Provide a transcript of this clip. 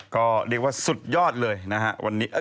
ก็เรียกว่าสุดยอดเลยนะฮะวันนี้